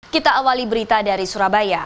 kita awali berita dari surabaya